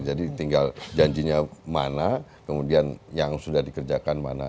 jadi tinggal janjinya mana kemudian yang sudah dikerjakan mana